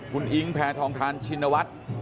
คุณอิ๊งแพทองทานชินวัฒน์